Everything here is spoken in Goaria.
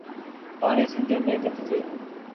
پآڻيٚ سندي مين گهٽ ڇي ۔